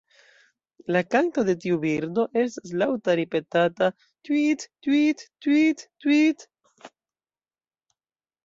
La kanto de tiu birdo estas laŭta ripetata "tŭiit-tŭiit-tŭiit-tŭiit".